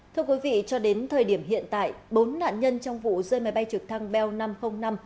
thưa quý vị cho đến thời điểm hiện tại bốn nạn nhân trong vụ rơi máy bay trực thăng bell năm trăm linh năm